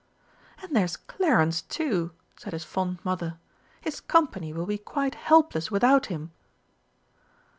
"And there's Clarence, too!" said his fond mother. "His Company will be quite helpless without him!"